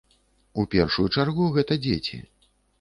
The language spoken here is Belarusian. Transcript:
У першую чаргу гэта дзеці.